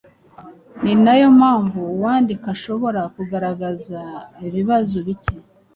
Ni na yo mpamvu uwandika ashobora kugaragaza ibibazo bike,